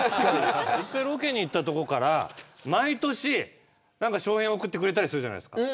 １回ロケに行った所から毎年商品を送ってくれたりするじゃないですか。